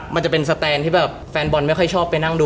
มันจะเป็นสแตนที่แบบแฟนบอลไม่ค่อยชอบไปนั่งดู